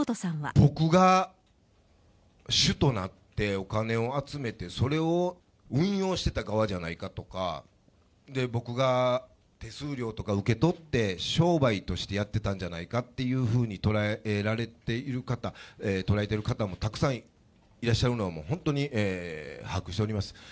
僕が主となって、お金を集めて、それを運用してた側じゃないかとか、僕が手数料とか受け取って、商売としてやってたんじゃないかっていうふうに捉えられている方、捉えてる方もたくさんいらっしゃるのは、本当に把握しております。